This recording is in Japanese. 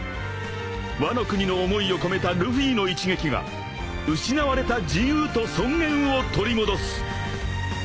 ［ワノ国の思いを込めたルフィの一撃が失われた自由と尊厳を取り戻す］